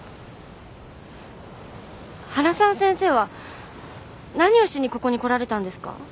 原沢先生は何をしにここに来られたんですか？